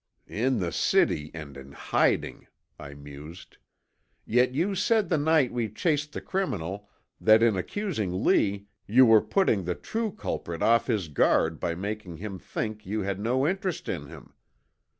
"In the city and in hiding," I mused. "Yet you said the night we chased the criminal, that in accusing Lee you were putting the true culprit off his guard by making him think you had no interest in him.